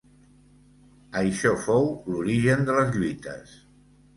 Això fou l'origen de les lluites.